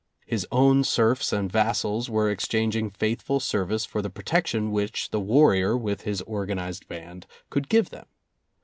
His own serfs and vassals were exchanging faithful service for the protection which the warrior with his organized band could give them.